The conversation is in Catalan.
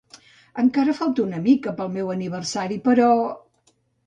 Encara falta una mica, per al meu aniversari, però...